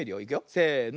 せの。